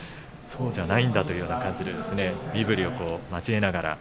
そうじゃないんだという感じで、身ぶりを交えながら。